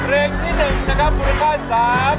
ร้องได้ให้ร้าน